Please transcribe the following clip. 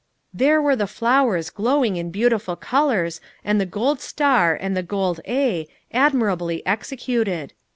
There were the flowers glowing in beautiful colors, and the gold star and the gold A, admirably executed.